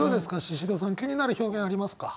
シシドさん気になる表現ありますか？